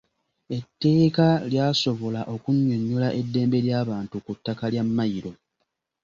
Etteeka lyasobola okunnyonnyola eddembe ly'abantu ku ttaka lya mmayiro.